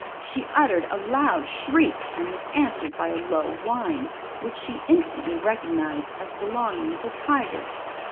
She uttered a loud shriek and was answered by a low whine, which she instantly recognized as belonging to Tiger.